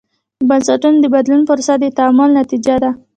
د بنسټونو د بدلون پروسه د تعامل نتیجه ده.